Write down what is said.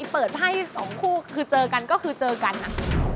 เปิดให้สองคู่คือเจอกันก็คือเจอกันอะ